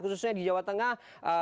khususnya di jawa tengah